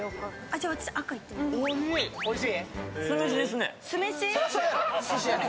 おいしい。